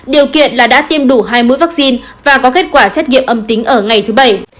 điều kiện là đã tiêm đủ hai mũi vaccine và có kết quả xét nghiệm âm tính ở ngày thứ bảy